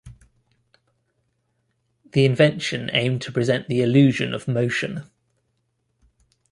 The invention aimed to present the illusion of motion.